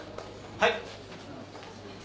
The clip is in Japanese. はい。